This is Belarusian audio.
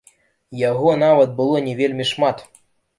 Яго нават было не вельмі шмат!